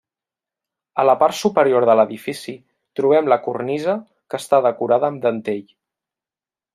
A la part superior de l'edifici trobem la cornisa que està decorada amb dentell.